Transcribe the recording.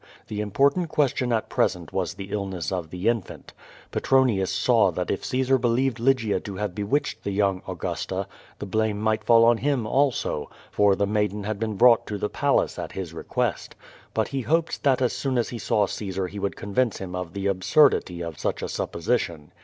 The important question at present was the illness of the infant. Petronius saw that if Caesar believed Lygia to have bewitched the young Augusta, the blame might fall on him also, for the maiden had been brought to the Palace at his request. But he hoped that as soon as he saw Caesar he would convince him of the absurdity of such a sup position.